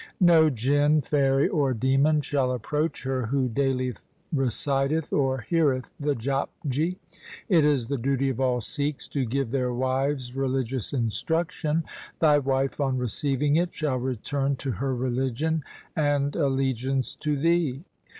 No jin, 1 fairy, or demon shall approach her who daily reciteth or heareth the Japji. It is the duty of all Sikhs to give their wives religious instruction. Thy wife on receiving it shall return to her religion and allegiance to thee.'